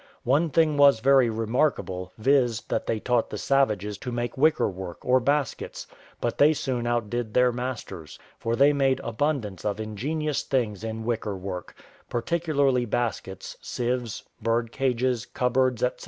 One thing was very remarkable, viz. that they taught the savages to make wicker work, or baskets, but they soon outdid their masters: for they made abundance of ingenious things in wicker work, particularly baskets, sieves, bird cages, cupboards, &c.